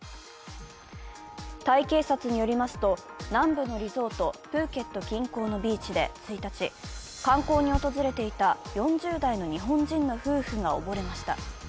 タイ警察によりますと、南部のリゾート、プーケット近郊のビーチで１日、観光に訪れていた４０代の日本人の夫婦が溺れました。